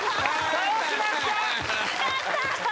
倒しました！